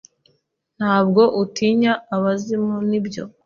Ntabwo utinya abazimu, nibyo?